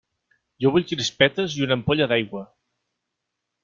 Jo vull crispetes i una ampolla d'aigua!